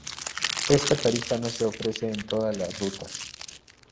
Esta tarifa no se ofrece en todas las rutas.